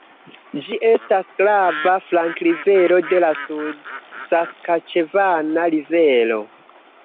Ĝi estas grava flankrivero de la Sud-Saskaĉevana rivero.